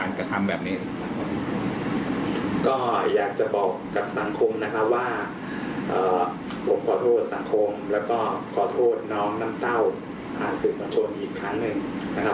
แล้วก็เหตุการณ์แบบนี้บอกว่าผมจะไม่ให้เกิดขึ้นอีกนะครับ